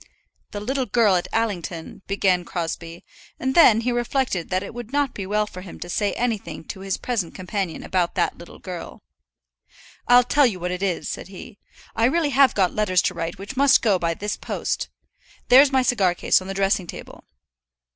"The little girl at Allington " began Crosbie; and then he reflected that it would not be well for him to say anything to his present companion about that little girl. "I'll tell you what it is," said he. "I really have got letters to write which must go by this post. There's my cigar case on the dressing table."